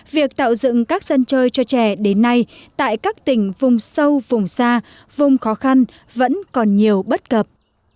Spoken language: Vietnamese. việc tạo dựng các sân chơi cho trẻ đến nay tại các tỉnh vùng sâu vùng xa vùng khó khăn vẫn còn nhiều bất cập